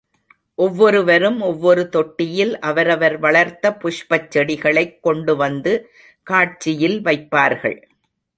ஒவ்வொருவரும் ஒவ்வொரு தொட்டியில் அவரவர் வளர்த்த புஷ்பச் செடிகளைக் கொண்டுவந்து, காட்சியில் வைப்பார்கள்.